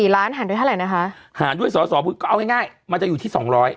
ล้านหันด้วยเท่าไหร่นะคะหารด้วยสอสอก็เอาง่ายมันจะอยู่ที่๒๐๐